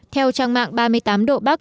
theo trang mạng ba mươi tám độ bắc